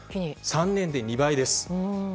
３年で２倍です。